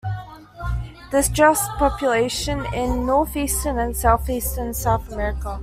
Disjust populations in northeastern and southeastern South America.